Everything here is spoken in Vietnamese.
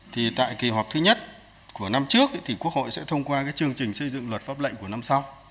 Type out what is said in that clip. thì tại kỳ họp thứ nhất của năm trước thì quốc hội sẽ thông qua cái chương trình xây dựng luật pháp lệnh của năm sau